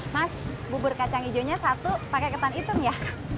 mas bubur kacang hijaunya satu pakai ketan hitam ya